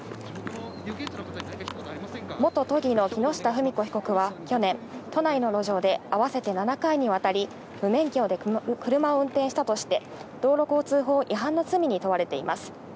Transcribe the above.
元都議の木下富美子被告は去年、都内の路上で合わせて７回にわたり、無免許で車を運転したとして道交法違反の罪に問われています。